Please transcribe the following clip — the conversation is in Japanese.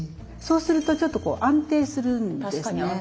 そうするとちょっと安定するんですね。